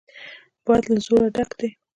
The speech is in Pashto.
باد له زور ډک دی.